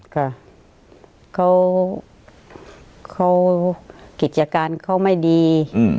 ค่ะเขาเขาขิตจักรเขาไม่ดีอืม